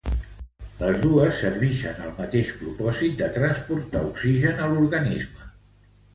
Les dos servixen al mateix propòsit de transportar oxigen a l'organisme.